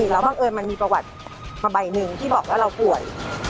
แล้วบังเอิญมันมีประวัติมาใบหนึ่งที่บอกว่าเราป่วย